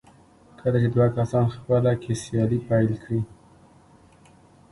کله چې دوه کسان خپله کې سیالي پيل کړي.